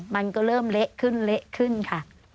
มันก็เริ่มเละขึ้นเละขึ้นค่ะ